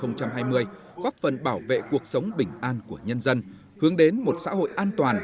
góp phần bảo vệ cuộc sống bình an của nhân dân hướng đến một xã hội an toàn